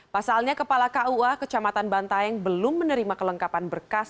pasalnya kepala kua kecamatan bantaeng belum menerima kelengkapan berkas